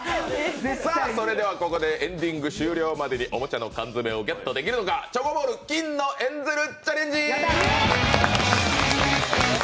ここで、エンディングまでにおもちゃのカンヅメをゲットできるのか、チョコボール金のエンゼルチャレンジ！